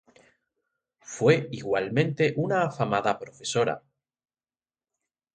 Fue igualmente una afamada profesora.